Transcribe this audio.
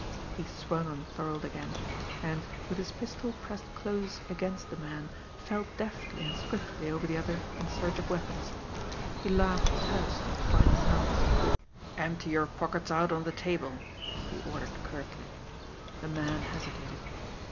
He swung on Thorold again; and, with his pistol pressed close against the man, felt deftly and swiftly over the other in search of weapons. He laughed tersely, finding none. "Empty your pockets out on the table!" he ordered curtly. The man hesitated.